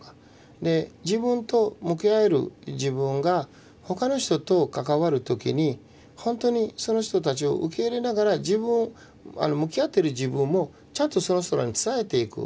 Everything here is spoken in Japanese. で自分と向き合える自分が他の人と関わる時に本当にその人たちを受け入れながら自分向き合ってる自分もちゃんとその人らに伝えていく。